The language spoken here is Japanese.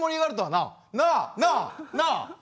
なあなあなあ！